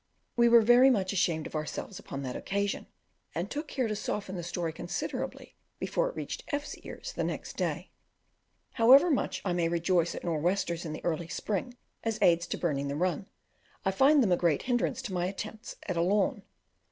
We were very much ashamed of ourselves upon that occasion, and took care to soften the story considerably before it reached F 's ears the next day. However much I may rejoice at nor' westers in the early spring as aids to burning the run, I find them a great hindrance to my attempts at a lawn.